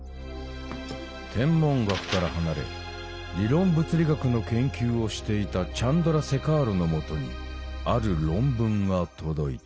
天文学から離れ理論物理学の研究をしていたチャンドラセカールのもとにある論文が届いた。